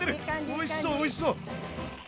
おいしそうおいしそう！